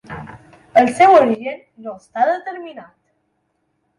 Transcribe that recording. El seu origen no està determinat.